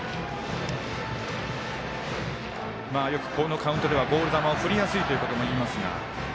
よく、このカウントではボール球を振りやすいということも言いますが。